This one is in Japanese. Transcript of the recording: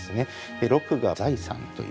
「禄」が財産という。